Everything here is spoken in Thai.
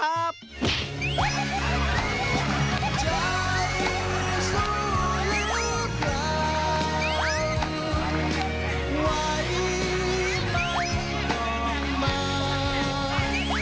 เฮ่ยมันจางได้ยังอะไร